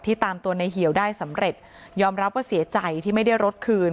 ตามตัวในเหี่ยวได้สำเร็จยอมรับว่าเสียใจที่ไม่ได้รถคืน